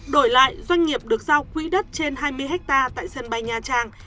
đổi lại doanh nghiệp được giao quỹ đất trên hai mươi hectare tại sân bay nha trang